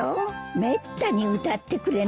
めったに歌ってくれないんです。